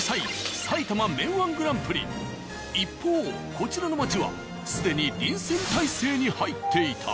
一方こちらの街は既に臨戦態勢に入っていた。